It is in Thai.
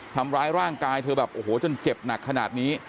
ทำร้ายร่างกายเธอแบบโอ้โหจนเจ็บหนักขนาดนี้